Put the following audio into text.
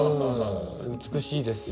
美しいですよ。